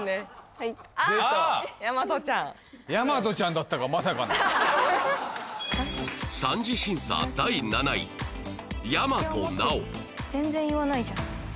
はい出た大和ちゃんだったかまさかの全然言わないじゃん